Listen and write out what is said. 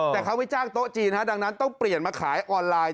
แต่เขาไม่จ้างโต๊ะจีนดังนั้นต้องเปลี่ยนมาขายออนไลน์